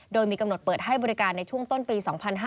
โดยมีกำหนดเปิดให้บริการในช่วงต้นปี๒๕๕๙